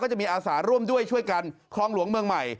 จะมีอาสาร่วมด้วยช่วยกันคลองหลวงเมืองใหม่